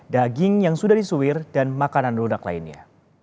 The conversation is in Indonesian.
daging yang sudah disuwir dan makanan lunak lainnya